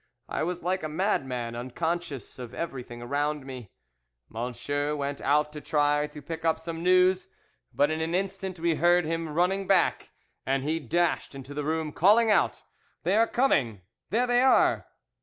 I was like a madman, unconscious of everything round me. "M______ went out to try to pick up some news, but in an instant we heard him running back, and he dashed into the room, calling out: "'They are coming! There they are!